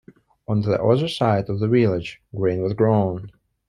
On the other sides of the village grain was grown.